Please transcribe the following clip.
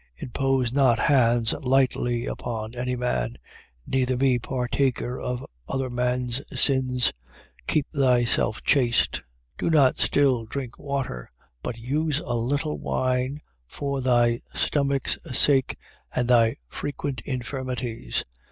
5:22. Impose not hands lightly upon any man, neither be partaker of other men's sins. Keep thyself chaste. 5:23. Do not still drink water, but use a little wine for thy stomach's sake and thy frequent infirmities.